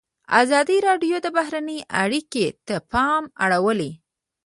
ازادي راډیو د بهرنۍ اړیکې ته پام اړولی.